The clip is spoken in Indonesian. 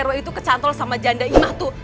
pak rue itu kecantol sama janda ima tuh